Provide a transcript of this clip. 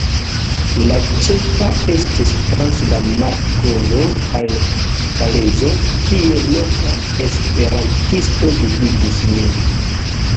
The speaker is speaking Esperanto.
La ĉefa estis trans la Markolo al Kalezo, kie loka esperantisto gvidis nin.